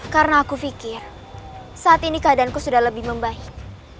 karena aku pikir saat ini keadaanku sudah lebih membaik